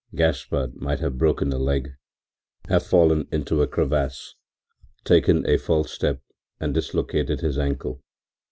Gaspard might have broken a leg, have fallen into a crevasse, taken a false step and dislocated his ankle.